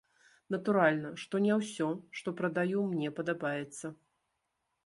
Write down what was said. Натуральна, што не ўсё, што прадаю, мне падабаецца.